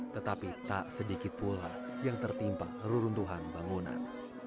tetapi tak sedikit pula yang tertimpa reruntuhan bangunan